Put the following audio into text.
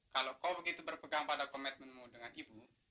kalau kau begitu berpegang pada komitmenmu dengan ibu